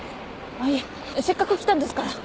あっいえせっかく来たんですから。